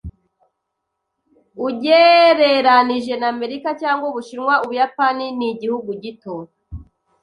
Ugereranije na Amerika cyangwa Ubushinwa, Ubuyapani nigihugu gito.